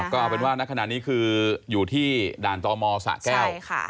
ก็เป็นว่าเนื้อขนาดนี้อยู่ที่ด่านจมสะแก้ว